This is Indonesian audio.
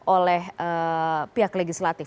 oleh pihak legislatif